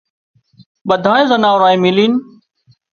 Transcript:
ٻڌانئي زنارانئي ملينَ